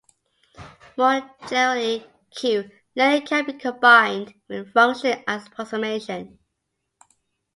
More generally, "Q"-learning can be combined with function approximation.